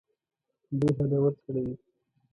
دی هډور سړی و.